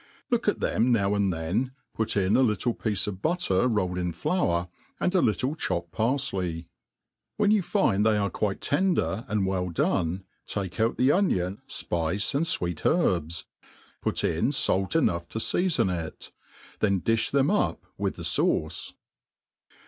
Look at them now and then, put in a little piece of butter rolled in^ flour, and a little chopped parfley» When you find they are quite tender and well done, take out the onion, fpice, and fweet herbs» Put in fait enough to feafon it. Then di(b them up with the fauce.